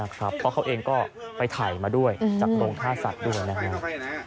เพราะเขาเองก็ไปถ่ายมาด้วยจากโรงฆ่าสัตว์ด้วยนะครับ